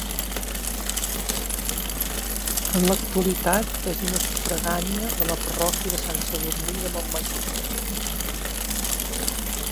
En l'actualitat és una sufragània de la parròquia de Sant Sadurní de Montmajor.